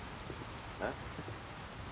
えっ？